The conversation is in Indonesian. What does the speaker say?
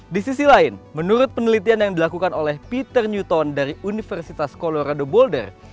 di sisi lain menurut penelitian yang dilakukan oleh peter newton dari universitas colorado bolder